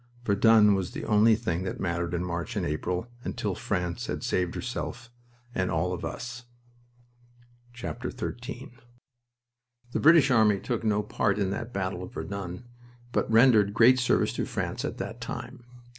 Verdun was the only thing that mattered in March and April until France had saved herself and all of us. XIII The British army took no part in that battle of Verdun, but rendered great service to France at that time.